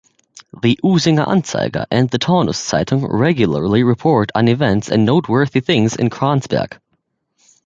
The “Usinger Anzeiger” and the “Taunus-Zeitung” regularly report on events and noteworthy things in Kransberg.